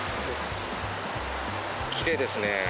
きれいですね。